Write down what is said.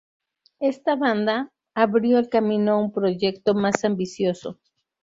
Esta banda abrió el camino a un proyecto más ambicioso.